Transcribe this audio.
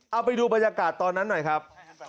เอาไปดูบรรยากาศตอนนั้นหน่อยครับ